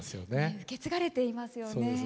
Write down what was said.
受け継がれていますよね。